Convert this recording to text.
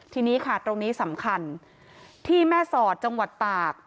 ทีนี้ค่ะตรงนี้สำคัญที่แม่สอดจังหวัดตาก